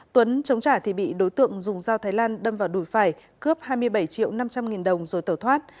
tuấn chống trả thì bị đối tượng dùng dao thái lan đâm vào đùi phải cướp hai mươi bảy triệu năm trăm linh nghìn đồng rồi tẩu thoát